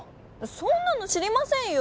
そんなの知りませんよ！